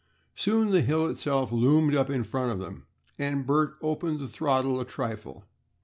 Soon the hill itself loomed up in front of them, and Bert opened the throttle a trifle.